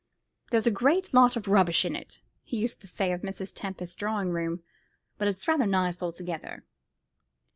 "There's a great lot of rubbish in it," he used to say of Mrs. Tempest's drawing room, "but it's rather nice altogether."